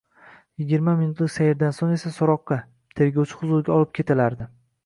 yigirma minutlik sayrdan so’ng esa so’roqqa — tergovchi huzuriga olib ketilardi…»